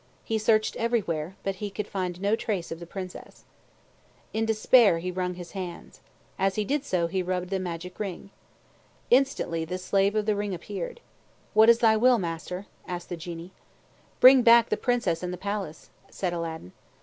He searched everywhere, but he could find no trace of the Princess. In despair, he wrung his hands. As he did so, he rubbed the magic ring. Instantly the Slave of the Ring appeared. "What is thy will, master?" asked the Genie. "Bring back the Princess and the palace," said Aladdin.